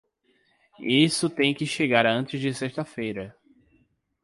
Isso tem que chegar antes de sexta-feira.